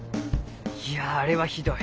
いやあれは酷い。